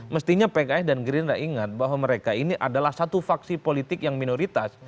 mestinya pks dan gerindra ingat bahwa mereka ini adalah satu faksi politik yang minoritas